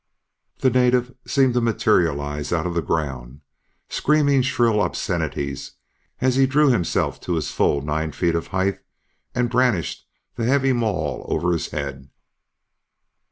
The native seemed to materialize out of the ground, screaming shrill obscenities as he drew himself to his full nine feet of height and brandished the heavy maul over his head.